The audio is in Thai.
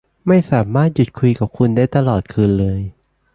ไม่สามารถหยุดคุยกับคุณได้ตลอดคืนเลย